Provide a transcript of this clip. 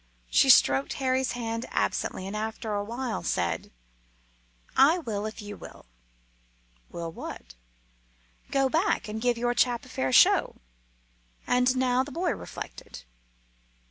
She stroked Harry's hand absently, and after a while said "I will if you will." "Will what?" "Go back and give your chap a fair show." And now the boy reflected.